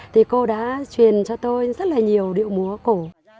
thì cô đã truyền cho tôi rất là nhiều điệu múa cổ